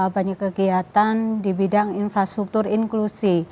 banyak kegiatan di bidang infrastruktur inklusi